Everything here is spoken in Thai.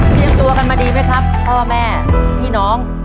ตัวกันมาดีไหมครับพ่อแม่พี่น้อง